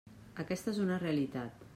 Aquesta és una realitat.